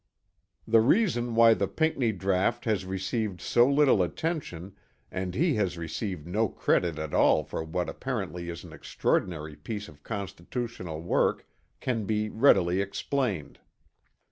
The reason why the Pinckney draught has received so little attention, and he has received no credit at all for what apparently is an extraordinary piece of constitutional work can be readily explained.